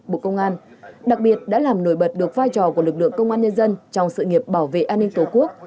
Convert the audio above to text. bộ công an đặc biệt đã làm nổi bật được vai trò của lực lượng công an nhân dân trong sự nghiệp bảo vệ an ninh tổ quốc